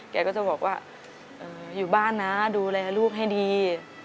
แกก็จะบอกว่าอยู่บ้านนะดูแลลูกให้ดี